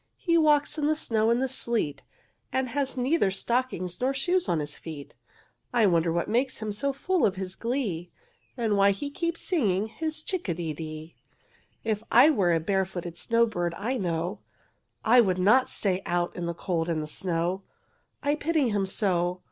he walks in the snow and the sleet And has neither stockings nor shoes on his feet, I wonder what makes him so full of his glee, And why he keeps singing, his chick a de dee. "If I were a barefooted snowbird, I know, I would not stay out in the cold and the snow. I pity him so!